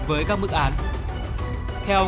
với các mức án theo